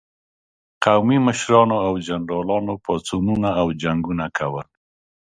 قومي مشرانو او جنرالانو پاڅونونه او جنګونه کول.